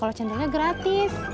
kalau centernya gratis